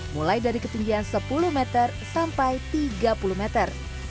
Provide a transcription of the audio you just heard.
mulai dari ketinggian sepuluh meter sampai tiga puluh meter